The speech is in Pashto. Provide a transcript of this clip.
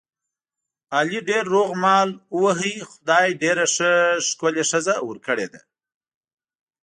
علي ډېر روغ مال ووهلو، خدای ډېره ښه ښکلې ښځه ور کړې ده.